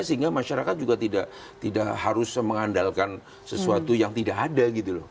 sehingga masyarakat juga tidak harus mengandalkan sesuatu yang tidak ada gitu loh